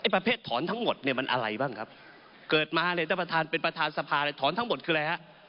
ประเภทถอนทั้งหมดเนี่ยมันอะไรบ้างครับเกิดมาเนี่ยท่านประธานเป็นประธานสภาอะไรถอนทั้งหมดคืออะไรฮะ